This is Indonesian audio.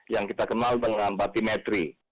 yang kita kenal dengan batimetri